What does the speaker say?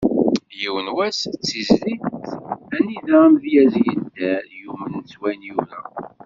"Yiwen wass", d tizlit anida amedyaz yedder, yumen s wayen yura.